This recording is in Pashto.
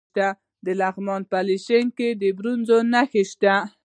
د لغمان په الیشنګ کې د بیروج نښې شته.